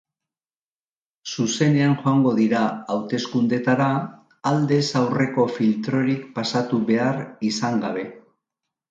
Zuzenean joango dira hauteskundeetara, aldez aurreko filtrorik pasatu behar izan gabe.